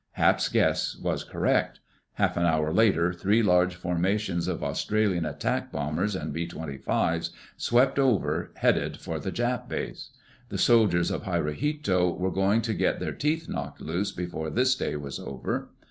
Hap's guess was correct. Half an hour later three large formations of Australian attack bombers and B 25's swept over, headed for the Jap base. The soldiers of Hirohito were going to get their teeth knocked loose before this day was over!